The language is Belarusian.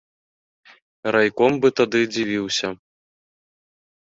Райком бы тады дзівіўся.